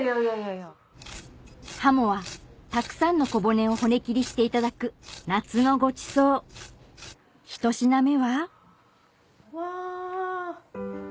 鱧はたくさんの小骨を骨切りしていただく夏のごちそう１品目はうわ。